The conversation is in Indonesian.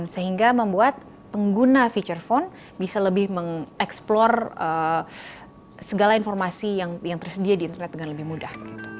sehingga membuat pengguna feature phone bisa lebih mengeksplor segala informasi yang tersedia di internet dengan lebih mudah